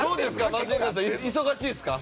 マシンガンズさん忙しいですか？